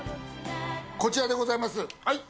こちらでございます。